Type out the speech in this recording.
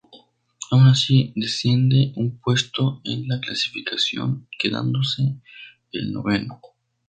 Aun así, desciende un puesto en la clasificación quedándose el noveno.